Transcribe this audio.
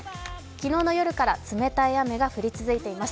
昨日の夜から冷たい雨が降り続いています。